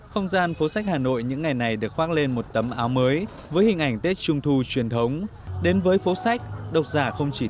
không gian phố sách hà nội những ngày này được khoác lên một tấm áo mới với hình ảnh tết trung thu truyền thống